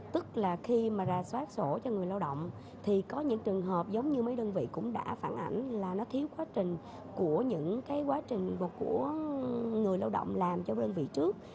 tức là khi mà ra soát sổ cho người lao động thì có những trường hợp giống như mấy đơn vị cũng đã phản ảnh là nó thiếu quá trình của những cái quá trình của người lao động làm cho đơn vị trước